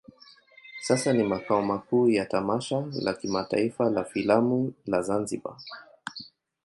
Sasa ni makao makuu ya tamasha la kimataifa la filamu la Zanzibar.